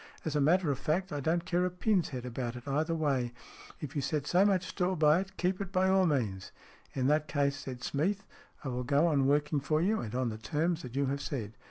As a matter of fact, I don't care a pin's head about it either way. If you set so much store by it, keep it by all means." " In that case," said Smeath, " I will go on working for you, and on the terms that you have said."